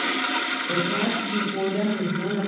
The task before them was one of?